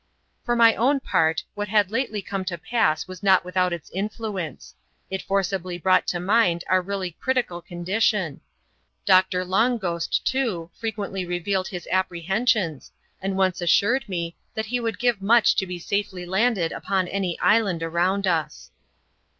For my own part, what had lately come to pass was not with out its influence. It forcibly brought to mind our really critical condition. Doctor Long Ghost, too, frequently revealed his i^prehensions, and once assured me that he would give much to be safely landed upon any island around us.